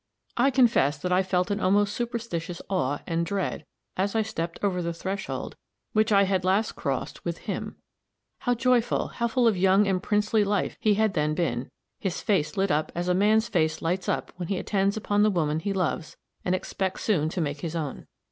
I confess that I felt an almost superstitious awe and dread, as I stepped over the threshold which I had last crossed with him. How joyful, how full of young and princely life, he had then been, his face lit up, as a man's face lights up when he attends upon the woman he loves and expects soon to make his own!